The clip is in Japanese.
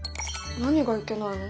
何がいけないの？